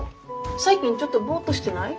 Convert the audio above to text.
最近ちょっとボーッとしてない？